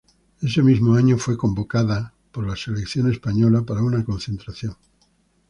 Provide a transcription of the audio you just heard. Ese mismo año fue convocada por la selección española para una concentración.